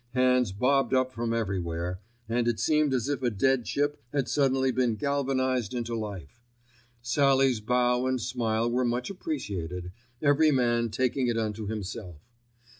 Hands bobbed up from everywhere, and it seemed as if a dead ship had suddenly been galvanised into life. Sallie's bow and smile were much appreciated, every man taking it unto himself.